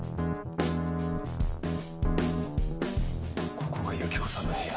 ここがユキコさんの部屋。